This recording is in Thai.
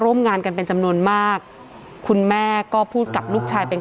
ร่วมงานกันเป็นจำนวนมากคุณแม่ก็พูดกับลูกชายเป็น